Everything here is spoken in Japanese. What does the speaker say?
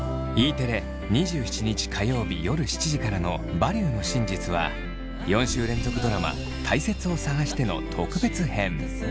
テレ２７日火曜日夜７時からの「バリューの真実」は４週連続ドラマ「たいせつを探して」の特別編。